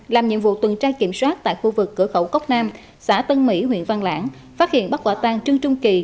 làm nhiệm vụ tuần trai kiểm soát tại khu vực cửa khẩu cốc nam xã tân mỹ huyện văn lãng phát hiện bắt quả tang trưng trưng kỳ